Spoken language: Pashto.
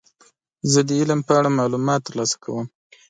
زه د علم په اړه معلومات ترلاسه کوم.